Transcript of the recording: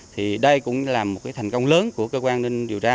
thì đây cũng là một cái thành công lớn của cơ quan an ninh điều tra